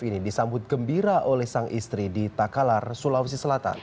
ini disambut gembira oleh sang istri di takalar sulawesi selatan